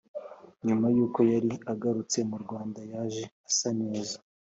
nyuma yuko yari agarutse mu rwanda yaje asa neza